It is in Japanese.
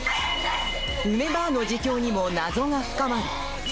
梅ばあの自供にも謎が深まる。